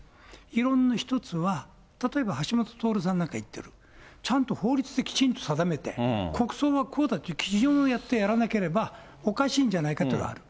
異論の一つは例えば橋下徹さんなんか言ってる、ちゃんと法律できちんと定めて、国葬はこうだという基準をやってやらなければおかしいんじゃないかってある。